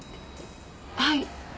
はい。